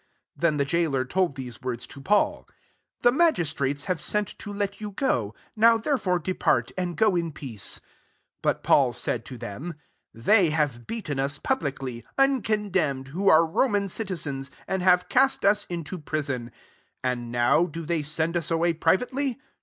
6 Then the gaoler told these rords to Paul, " The magis ates have sent to let you go ; ow therefore depart, and go > peace." 37 But Paul said to iem, " They have beaten us ublicly, uncondemned, who •e Roman citizens, and have ist us into prison ; and tk)W do ley send us away privately